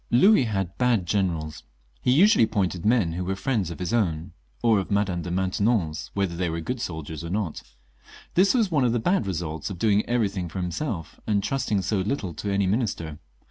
Louis had bad generals ; he usually appointed men who were Mends of his own, or of Madame de Maintenon's, whether they were good soldiers or not. This was one of the bad results of doing everything for himself, and trusting so little to any minister.